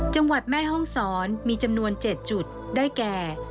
จังหวัดแม่ห้องศรมีจำนวน๗จุดได้แก่